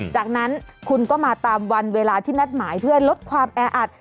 จากนั้นคุณก็มาตามวันเวลาที่นัดหมายเพื่อลดความแออัด